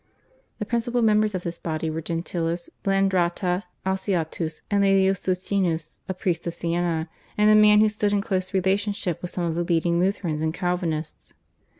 The principal members of this body were Gentilis, Blandrata, Alciatus, and Laelius Socinus, a priest of Siena and a man who stood in close relationship with some of the leading Lutherans and Calvinists.